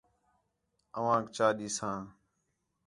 اوانک چا ݙیساں